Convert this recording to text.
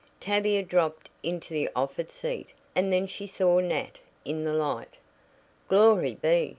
Tavia dropped into the offered seat, and then she saw Nat in the light. "Glory be!"